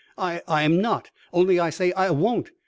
"I I'm not! Only I say I won't